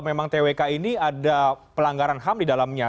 memang twk ini ada pelanggaran ham di dalamnya